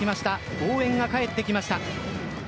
応援が帰ってきました。